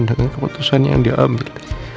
dengan keputusan yang diambil